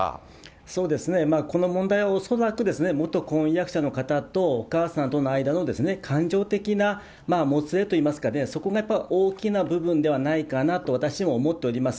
そうですね、この問題、恐らく元婚約者の方とお母さんとの間の感情的なもつれといいますか、そこがやっぱり大きな部分ではないかなと、私も思っております。